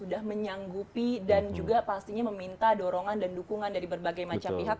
sudah menyanggupi dan juga pastinya meminta dorongan dan dukungan dari berbagai macam pihak